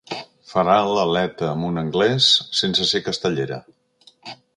Farà l'aleta amb un anglès sense ser castellera.